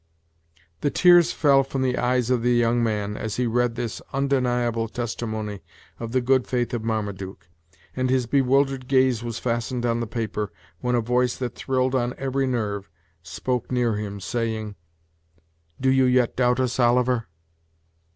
The tears fell from the eyes of the young man, as he read this undeniable testimony of the good faith of Marmaduke, and his bewildered gaze was still fastened on the paper, when a voice, that thrilled on every nerve, spoke near him, saying: "Do you yet doubt us, Oliver?"